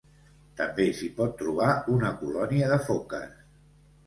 També s'hi pot trobar una colònia de foques.